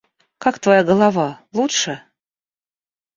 Как твоя голова, лучше?